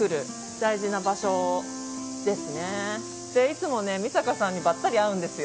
いつも美坂さんにばったり会うんです。